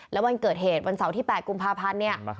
แล้ววันเกิดเหตุวันเสาร์ที่๘กุมภาพันธ์เนี่ย